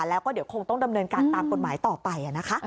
แล้วก็เดี๋ยวคงต้องดำเนินการตามกฎหมายต่อไปนะคะ